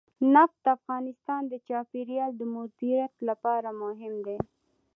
نفت د افغانستان د چاپیریال د مدیریت لپاره مهم دي.